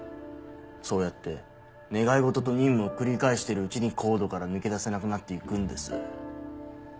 そうやって願いごとと任務を繰り返してるうちにＣＯＤＥから抜け出せなくなっていくんです。